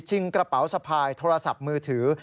กระเป๋าสะพายโทรศัพท์มือถือ